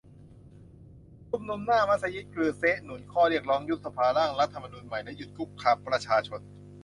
ชุมนุมหน้ามัสยิดกรือเซะ หนุนข้อเรียกร้อง ยุบสภา ร่างรัฐธรรมนูญใหม่ และ หยุดคุกคามประชาชน